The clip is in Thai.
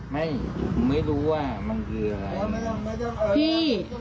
ไม่ไม่รู้ว่ามันคืออะไร